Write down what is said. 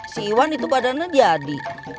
si iwan itu badannya jadi